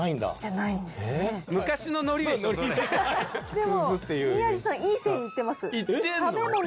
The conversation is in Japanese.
でも宮治さんいい線いってます。